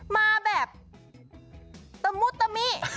มาแบบตะมุตมิ